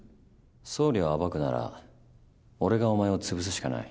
総理を暴くなら俺がお前を潰すしかない。